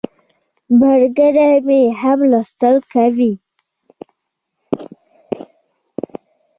ملګری مې هم لوستل کوي.